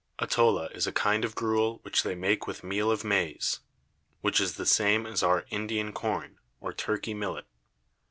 Atolla is a kind of Gruel which they make with Meal of Maise, (which is the same as our Indian Corn, or Turkey Millet.)